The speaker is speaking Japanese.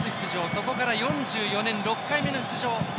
そこから４４年、６回目の出場。